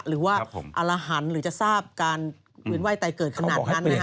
หรือว่าอารหันต์หรือจะทราบการวินไหว้ไตเกิดขนาดนั้นนะฮะ